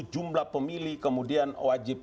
jumlah pemilih kemudian wajib